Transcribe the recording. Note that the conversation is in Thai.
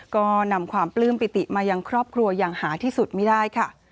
ก็นำความปลื้มปิติมายังครอบครัวอย่างหาที่สุดไม่ได้ค่ะ